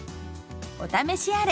お試しあれ！